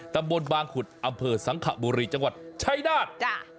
ตำบลบางขุดอำเภอสังขบุรีจังหวัดชายนาฏ